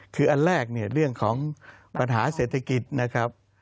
คืออันแรกเนี่ยเรื่องของปัญหาเศรษฐกิจนะครับ